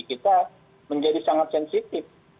kita menjadi sangat sensitif